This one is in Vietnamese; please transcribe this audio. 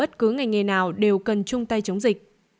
bất cứ ngành nghề nào đều cần chung tay chống dịch